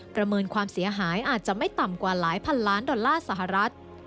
ประเมินความเสียหายอาจจะไม่ต่ำกว่าหลายพันล้านดอลลาร์สหรัฐ